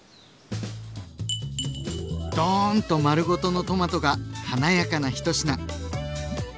ドーンと丸ごとのトマトが華やかな一品。